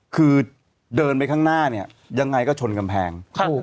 คือเดินไปข้างหน้าเนี่ยยังไงก็ชนกำแพง